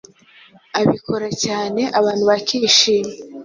abikora cyane abantu bakishima,